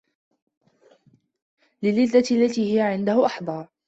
لِلِّذَّةِ الَّتِي هِيَ عِنْدَهُ أَحْظَى